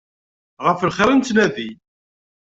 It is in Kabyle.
Ɣef lxir i nettnadi.